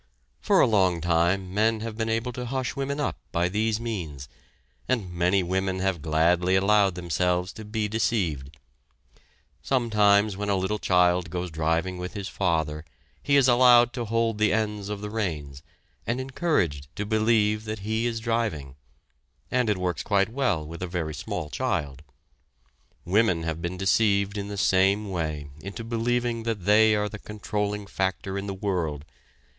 For a long time men have been able to hush women up by these means; and many women have gladly allowed themselves to be deceived. Sometimes when a little child goes driving with his father he is allowed to hold the ends of the reins, and encouraged to believe that he is driving, and it works quite well with a very small child. Women have been deceived in the same way into believing that they are the controlling factor in the world.